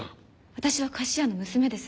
私は菓子屋の娘です。